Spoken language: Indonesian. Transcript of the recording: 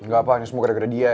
gak pak ini semua gara gara dia